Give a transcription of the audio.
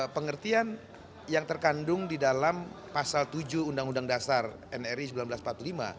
pengertian yang terkandung di dalam pasal tujuh undang undang dasar nri seribu sembilan ratus empat puluh lima